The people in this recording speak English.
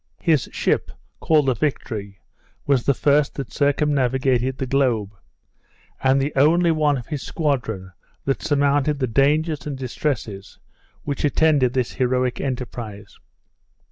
His ship, called the Victory, was the first that circumnavigated the globe; and the only one of his squadron that surmounted the dangers and distresses which attended this heroic enterprise.